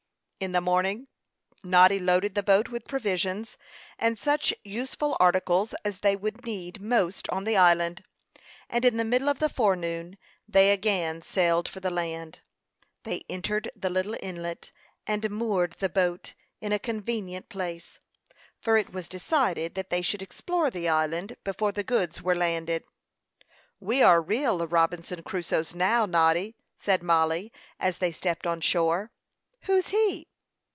In the morning, Noddy loaded the boat with provisions, and such useful articles as they would need most on the island, and in the middle of the forenoon they again sailed for the land. They entered the little inlet, and moored the boat in a convenient place, for it was decided that they should explore the island before the goods were landed. "We are real Robinson Crusoes now, Noddy," said Mollie, as they stepped on shore. "Who's he?"